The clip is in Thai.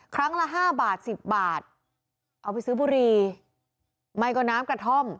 ครั้งละห้าบาทสิบบาทเอาไปซื้อบุรีไม่ก็น้ำกระท่อม